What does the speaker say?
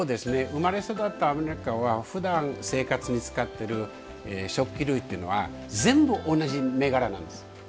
生まれ育ったアメリカはふだん生活に使っている食器類というのは全部同じ銘柄なんです。